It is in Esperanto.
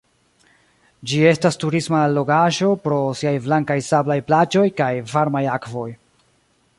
Ĝi estas turisma allogaĵo pro siaj blankaj sablaj plaĝoj kaj varmaj akvoj.